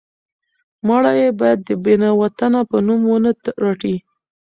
مړی یې باید د بې وطنه په نوم ونه رټي.